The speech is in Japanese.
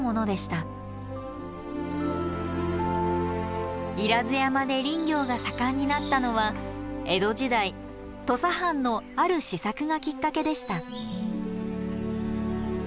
不入山で林業が盛んになったのは江戸時代土佐藩のある施策がきっかけでした。